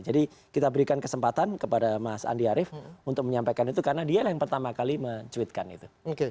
kita berikan kesempatan kepada mas andi arief untuk menyampaikan itu karena dia yang pertama kali mencuitkan itu